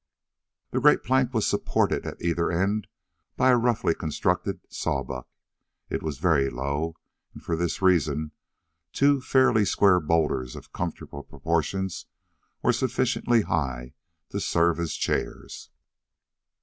The great plank was supported at either end by a roughly constructed sawbuck. It was very low, and for this reason two fairly square boulders of comfortable proportions were sufficiently high to serve as chairs.